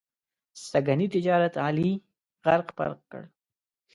سږني تجارت علي غرق پرق کړ.